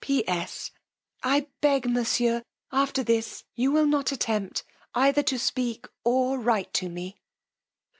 P.S. I beg, monsieur, after this, you will not attempt either to speak or write to me."